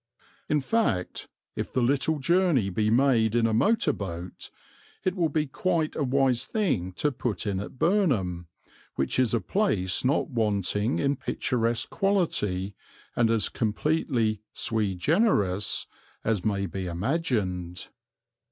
In fact, if the little journey be made in a motor boat, it will be quite a wise thing to put in at Burnham, which is a place not wanting in picturesque quality and as completely sui generis as may be imagined.